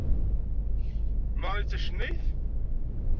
Marie d tacennayt?